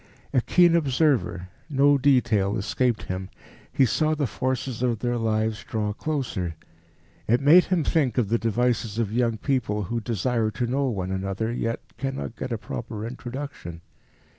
A keen observer, no detail escaped him; he saw the forces of their lives draw closer. It made him think of the devices of young people who desire to know one another, yet cannot get a proper introduction.